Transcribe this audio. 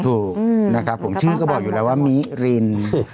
ถูกนะครับผมชื่อก็บอกอยู่แล้วว่ามิริน